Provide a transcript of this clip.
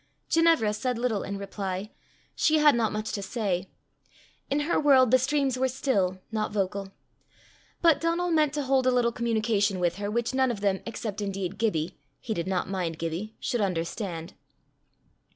Ginevra said little in reply. She had not much to say. In her world the streams were still, not vocal. But Donal meant to hold a little communication with her which none of them, except indeed Gibbie he did not mind Gibbie should understand.